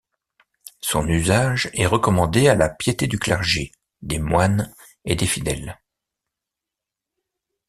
Son usage est recommandé à la piété du clergé, des moines et des fidèles.